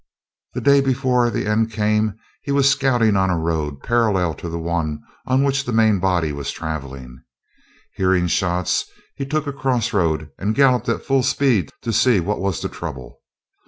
The day before the end came he was scouting on a road, parallel to the one on which the main body was travelling. Hearing shots, he took a cross road, and galloped at full speed to see what was the trouble.